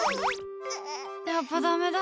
やっぱダメだ。